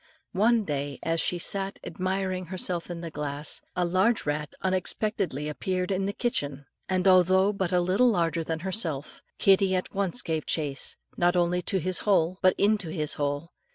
One day as she sat admiring herself in the glass, a large rat unexpectedly appeared in the kitchen; and although but little larger than himself, Kittie at once gave chase, not only to his hole, but into his hole.